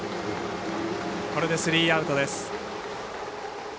これでスリーアウト。